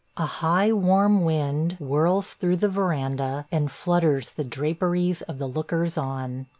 A high, warm wind whirls through the veranda and flutters the draperies of the lookers on.